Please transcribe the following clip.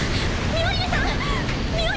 ミオリネさん！